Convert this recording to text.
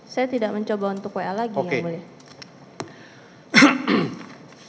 saya tidak mencoba untuk wa lagi yang mulia